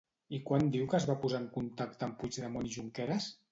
I quan diu que es va posar en contacte amb Puigdemont i Junqueras?